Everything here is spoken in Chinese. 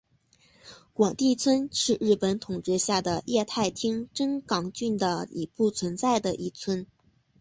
广地村是日本统治下的桦太厅真冈郡的已不存在的一村。